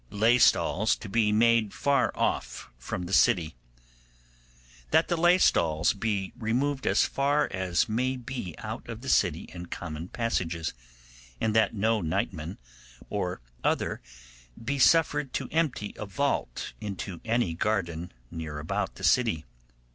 Laystalls to be made far off from the City. 'That the laystalls be removed as far as may be out of the city and common passages, and that no nightman or other be suffered to empty a vault into any garden near about the city.